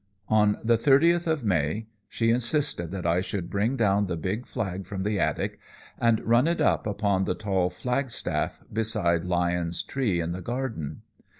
On the thirtieth of May she insisted that I should bring down the big flag from the attic and run it up upon the tall flagstaff beside Lyon's tree in the garden.